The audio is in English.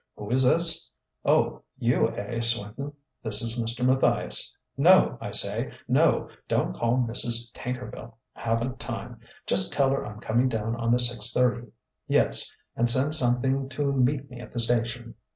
Who is this?... Oh, you, eh, Swinton? This is Mr. Matthias.... No I say, no! Don't call Mrs. Tankerville. Haven't time.... Just tell her I'm coming down on the six thirty.... Yes.... And send something to meet me at the station....